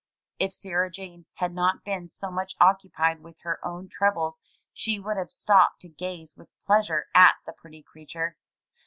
If Sarah Jane had not been so much occupied with her own troubles, she would have stopped to gaze with pleasure at the pretty creature.